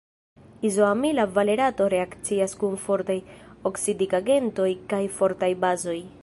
Izoamila valerato reakcias kun fortaj oksidigagentoj kaj fortaj bazoj.